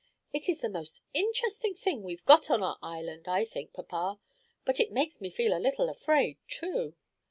It is the most interesting thing we've got on our island, I think, papa; but it makes me feel a little afraid, too."